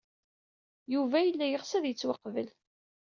Yuba yella yeɣs ad yettwaqbel.